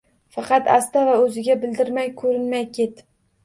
Faqat asta va o‘ziga bildirmay ko‘rinmay ket.